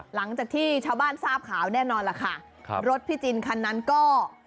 หลังจากที่ชาวบ้านทราบข่าวแน่นอนล่ะค่ะครับรถพี่จินคันนั้นก็